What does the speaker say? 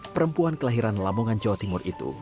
perempuan kelahiran lamongan jawa timur itu